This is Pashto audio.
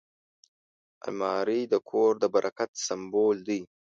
الماري د کور د برکت سمبول دی